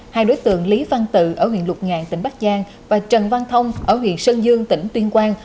hai đối tượng lý văn tự ở huyện lục ngạn tỉnh bắc giang và trần văn thông ở huyện sơn dương tỉnh tuyên quang